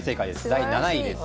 第７位です。